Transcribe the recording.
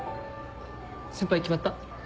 先輩決まった？